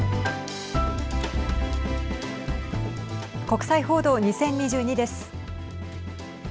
国際報道２０２２です。